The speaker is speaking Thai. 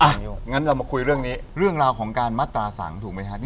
งั้นเรามาคุยเรื่องนี้เรื่องราวของการมัตราสังถูกไหมครับ